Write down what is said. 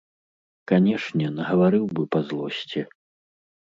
Канешне, нагаварыў бы па злосці.